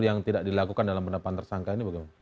yang tidak dilakukan dalam penetapan tersangka ini bagaimana